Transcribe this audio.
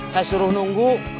saya suruh nunggu